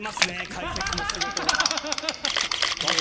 解説の仕事が。